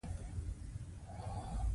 موږ په پښو ور روان شولو.